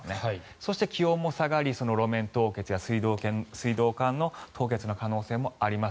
そして、気温も下がり路面凍結や水道管の凍結の可能性もあります。